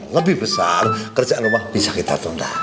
lebih besar kerjaan rumah bisa kita tunda